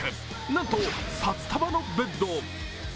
なんと札束のベッド。